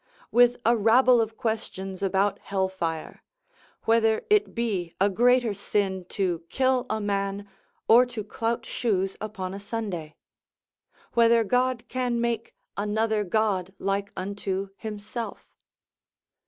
with a rabble of questions about hell fire: whether it be a greater sin to kill a man, or to clout shoes upon a Sunday? whether God can make another God like unto himself?